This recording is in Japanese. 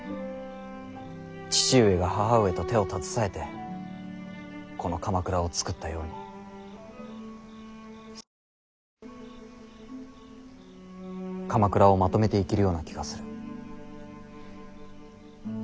父上が母上と手を携えてこの鎌倉をつくったようにせつとなら鎌倉をまとめていけるような気がする。